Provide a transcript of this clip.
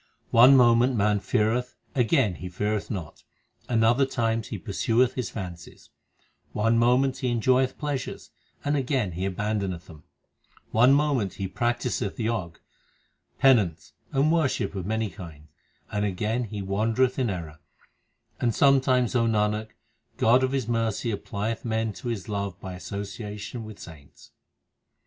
One moment man feareth, again he feareth not, and other times he pursueth his fancies ; One moment he enjoyeth pleasures, and again he aban doneth them ; One moment he practiseth Jog, penance, and worship of many kinds, and again he wandereth in error ; And sometimes, O Nanak, God of His mercy applieth man to His love by association with saints.